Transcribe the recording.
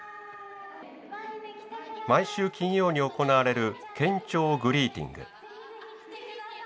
毎週金曜に行われる「県庁グリーティング」。